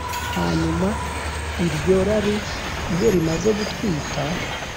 Hanyuma iryo rari iyo rimaze gutwita